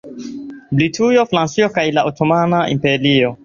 Britujo, Francujo kaj la Otomana Imperio.